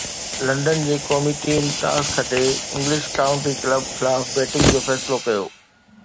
London جي قومي team toss کٽي انگلش ڪائونٽي ڪلب خلاف بيٽنگ جو فيصلو ڪيو